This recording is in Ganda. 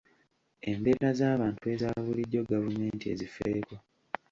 Embeera z'abantu eza bulijjo gavumenti ezifeeko.